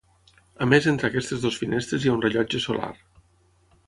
A més entre aquestes dues finestres hi ha un rellotge solar.